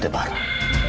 aduh kebiasaan deh dia